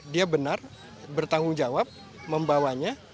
dia benar bertanggung jawab membawanya